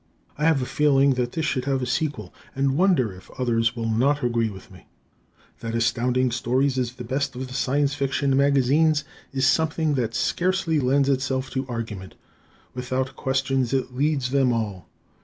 I have a feeling that this should have a sequel, and wonder if others will not agree with me. That Astounding Stories is the best of the Science Fiction Magazines is something that scarcely lends itself to argument. Without questions, it leads them all.